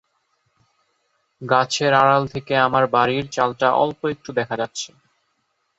গাছের আড়াল থেকে আমার বাড়ির চালটা অল্প একটু দেখা যাচ্ছে।